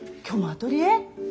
今日もアトリエ？